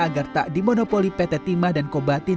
agar tak dimonopoli pt timah dan kobatin